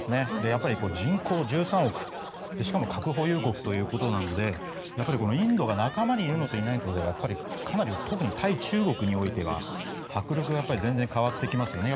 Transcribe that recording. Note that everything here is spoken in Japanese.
やっぱり人口１３億で核保有国ということなのでインドが仲間にいるのといないのとではかなり特に対中国においては迫力が全然変わってきますよね。